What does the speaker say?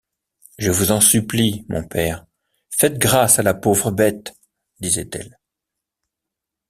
Je vous en supplie, mon père, faites grâce à la pauvre bête! disait-elle.